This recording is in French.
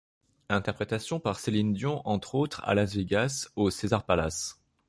Interprétation par Céline Dion entre autres à Las Vegas au César Palace.